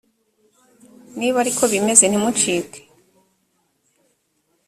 niba ari ko bimeze ntimucike